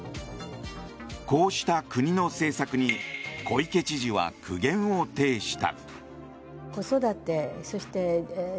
こうした国の政策に小池知事は苦言を呈した。